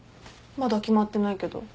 まだ決まってないけど。